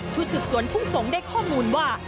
สืบสวนทุ่งสงศ์ได้ข้อมูลว่า